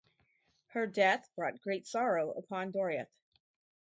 Her death brought great sorrow upon Doriath.